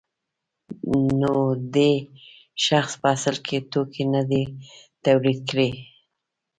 نو دې شخص په اصل کې توکي نه دي تولید کړي